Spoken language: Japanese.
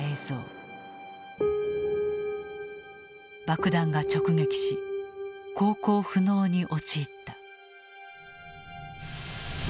爆弾が直撃し航行不能に陥った。